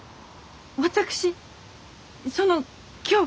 私その今日